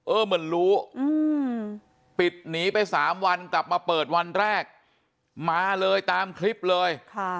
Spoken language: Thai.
เหมือนรู้ปิดหนีไป๓วันกลับมาเปิดวันแรกมาเลยตามคลิปเลย